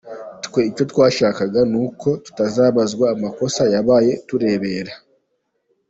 Twe icyo twashakaga ni uko tutazabazwa amakosa yabaye tureberera.